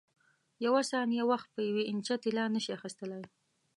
یوه ثانیه وخت په یوې انچه طلا نه شې اخیستلای.